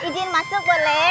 ijin masuk boleh